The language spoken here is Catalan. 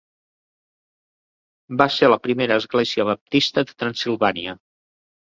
Va ser la primera església baptista de Transilvània.